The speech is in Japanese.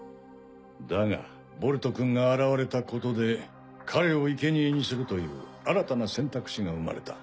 だがボルトくんが現れたことで彼をいけにえにするという新たな選択肢が生まれた。